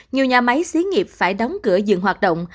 nhiều nhà máy xí nghiệp phải đóng cửa dừng hoạt động